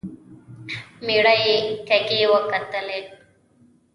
مېړه يې کږې وکتلې.